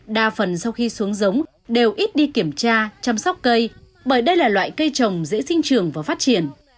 đa phần sau khi xuống giống đều ít đi kiểm tra chăm sóc cây bởi đây là loại cây trồng dễ sinh trường và phát triển